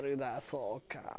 そうか。